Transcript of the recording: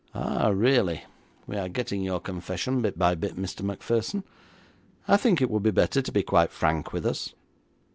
'Ah, really. We are getting your confession bit by bit, Mr. Macpherson. I think it would be better to be quite frank with us.'